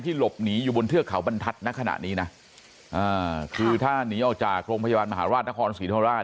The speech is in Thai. หลบหนีอยู่บนเทือกเขาบรรทัศน์ในขณะนี้นะคือถ้าหนีออกจากโรงพยาบาลมหาราชนครศรีธรรมราช